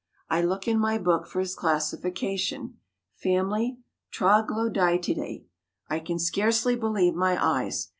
I look in my book for his classification. Family Troglodytidæ! I can scarcely believe my eyes!